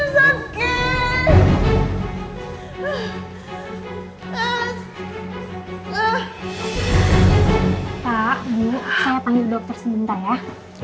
pak dulu saya panggil dokter sebentar ya